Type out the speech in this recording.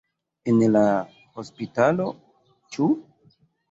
En la hospitalo, ĉu?